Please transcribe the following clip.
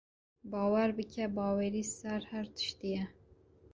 Bawer bike, bawerî ser her tiştî ye.